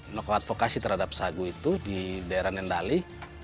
nokoadvokasi terhadap sagu itu di daerah nendali